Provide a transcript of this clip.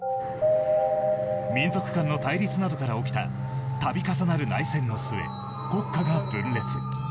民族間の対立などから起きた度重なる内戦の末国家が分裂。